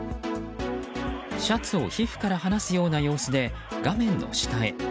シャツを皮膚から離すような様子で画面の下へ。